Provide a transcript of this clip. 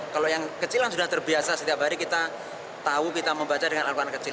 kalau yang kecil kan sudah terbiasa setiap hari kita tahu kita membaca dengan al quran kecil